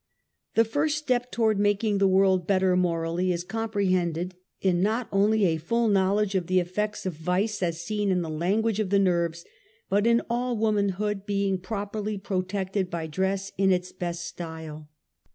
The first step towards making the world better morally, is comprehended in not only a full knowl edo e of the effects of vice as seen in the Lano:uao:e of the I^erves, but in all womanhood being properly protected by dress in its best style.